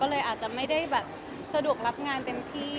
ก็เลยอาจจะไม่ได้แบบสะดวกรับงานเต็มที่